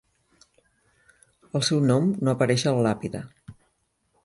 El seu nom no apareix a la làpida.